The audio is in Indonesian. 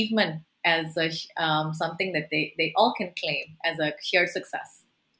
mereka semua bisa mengakui sebagai sukses